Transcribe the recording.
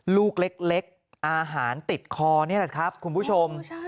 ลูกเล็กอาหารติดคอนี่แหละครับคุณผู้ชม